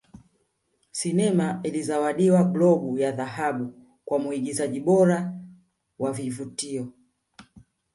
Sinema ilizawadiwa Globu ya Dhahabu Kwa Muigizaji Bora wa Vivutio